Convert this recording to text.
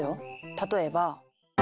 例えば。